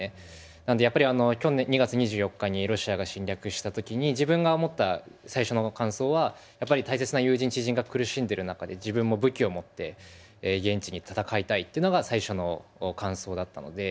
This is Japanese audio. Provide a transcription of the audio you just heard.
なんでやっぱりあの去年２月２４日にロシアが侵略した時に自分が思った最初の感想はやっぱり大切な友人知人が苦しんでる中で自分も武器を持って現地に戦いたいってのが最初の感想だったのででまあ